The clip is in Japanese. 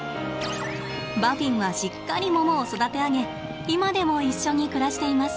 バフィンはしっかりモモを育てあげ今でも一緒に暮らしています。